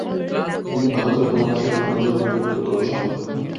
তিনি ভারতীয় উপমহাদেশের প্রাণীজগৎ নিয়ে ব্যাপক গবেষণা করেন।